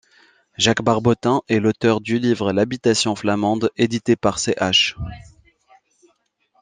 Jacques Barbotin est l’auteur du livre L'habitation flamande, édité par Ch.